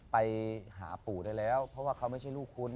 ไปหาปู่ได้แล้วเพราะว่าเขาไม่ใช่ลูกคุณ